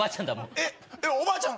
えっおばあちゃん